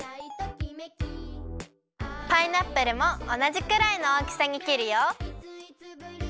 パイナップルもおなじくらいのおおきさにきるよ。